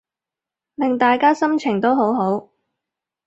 令大家心情都好好